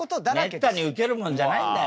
めったにウケるもんじゃないんだよ。